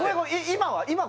今は？